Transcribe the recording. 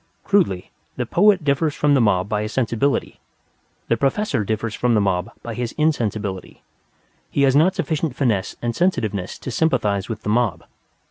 Crudely, the poet differs from the mob by his sensibility; the professor differs from the mob by his insensibility. He has not sufficient finesse and sensitiveness to sympathize with the mob.